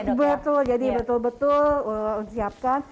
betul betul jadi betul betul siapkan